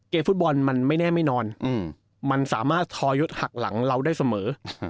ฟุตบอลมันไม่แน่ไม่นอนมันสามารถทอยศหักหลังเราได้เสมอ